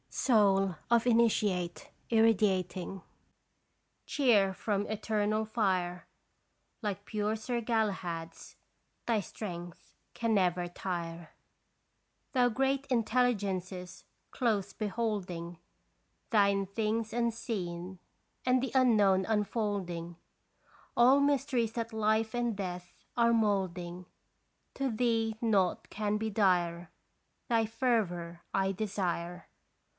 Soul of Initiate, irradiating Cheer from Eternal Fire. Like pure Sir Galahad's, Thy strength can never tire. <3>rad0tis Visitation. 153 Thou great Intelligences close beholding, Thine things unseen, and the unknown, unfolding All mysteries that life and death are moulding, To thee naught can be dire, Thy fervor 1 desire.